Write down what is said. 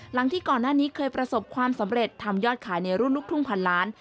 หลังที่ก่อนหน้านี้เคยประสบความสำเร็จทำยอดขายในรุ่นลูกทุ่งพันล้าน